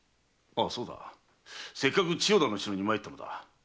そうだせっかく千代田の城に参ったのだ。